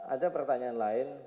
ada pertanyaan lain